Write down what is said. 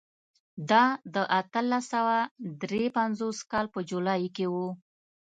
دا د اتلس سوه درې پنځوس کال په جولای کې و.